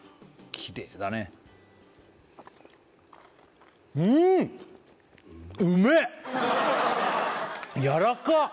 きれいだねうーん！やらかっ！